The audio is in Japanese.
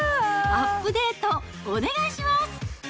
アップデートお願いします。